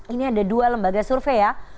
ini ada dua lembaga survei ya